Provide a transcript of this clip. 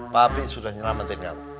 pak pi sudah nyelamatkan kamu